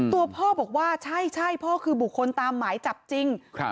ตัวพ่อบอกว่าใช่พ่อคือบุคคลตามหมายจับจริง